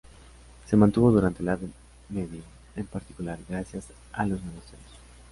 Se mantuvo durante la Edad media, en particular, gracias a los monasterios.